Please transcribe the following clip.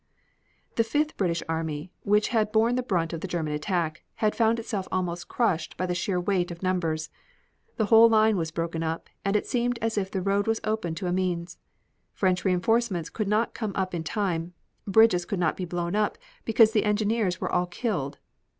The Fifth British army, which had borne the brunt of the German attack, had found itself almost crushed by the sheer weight of numbers. The whole line was broken up and it seemed as if the road was open to Amiens. French reinforcements could not come up in time; bridges could not be blown up because the engineers were all killed.